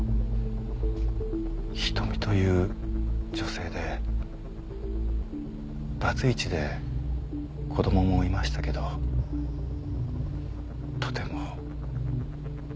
仁美という女性でバツイチで子供もいましたけどとてもきれいな人でした。